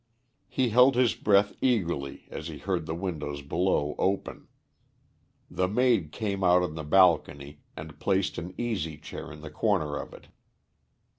He held his breath eagerly as he heard the windows below open. The maid came out on the balcony and placed an easy chair in the corner of it.